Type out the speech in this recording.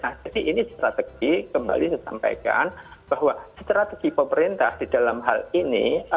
nah jadi ini strategi kembali saya sampaikan bahwa strategi pemerintah di dalam hal ini